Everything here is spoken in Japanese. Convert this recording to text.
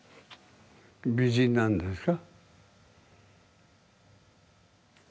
美人なんですか？